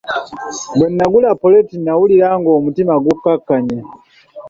Bwe nagula ppoloti nawulira nga omutima gukkakkanye.